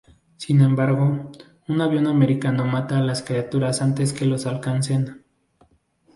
Sin embargo, un avión americano mata a las criaturas antes que los alcancen.